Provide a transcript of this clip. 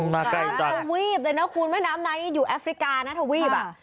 มาใกล้จังแม่น้ำนายนี่อยู่แอฟริกานะเถอะวีบ